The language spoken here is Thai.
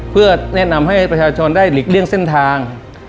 เพื่อแนะนำให้ประชาชนได้หลีกเลี่ยงเส้นทาง